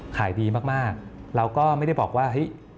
ขายดีมากเราก็ไม่ได้บอกว่าเฮ้ย